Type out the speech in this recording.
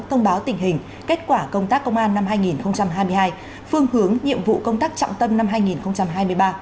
thông báo tình hình kết quả công tác công an năm hai nghìn hai mươi hai phương hướng nhiệm vụ công tác trọng tâm năm hai nghìn hai mươi ba